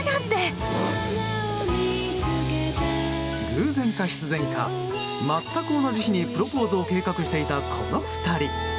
偶然か、必然か全く同じ日にプロポーズを計画していた、この２人。